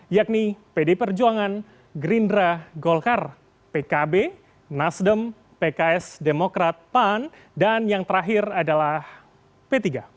yakni pd perjuangan gerindra golkar pkb nasdem pks demokrat pan dan yang terakhir adalah p tiga